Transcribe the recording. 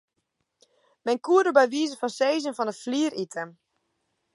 Men koe der by wize fan sizzen fan 'e flier ite.